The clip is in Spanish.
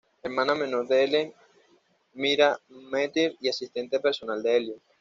Hermana menor de Ellen Mira Mathers y asistente personal de Elliot.